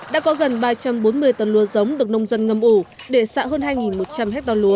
đã có gần ba trăm bốn mươi tấn lúa giống được nông dân ngâm